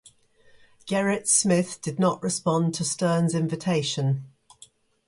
Gerrit Smith did not respond to Stearns' invitation.